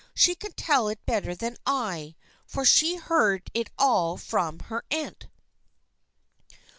She can tell it better than I, for she heard it all from her aunt."